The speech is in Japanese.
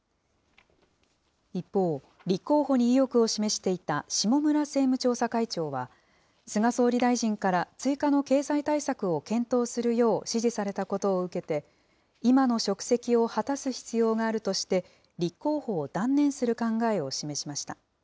一方、立候補に意欲を示していた下村政務調査会長は菅総理大臣から追加の経済対策を健闘するよう指示されたことを受けて、今の職責を果たす必要があるとして、立候補を断念する考えを示しました。